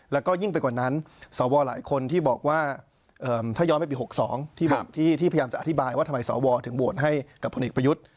แล้วก็ยิ่งไปกว่านั้นสวหลายคนที่บอกว่าถ้าย้อนไปปี๖๒ที่พยายามจะอธิบายว่าทำไมสวถึงโหวตให้กับพลเอกประยุทธ์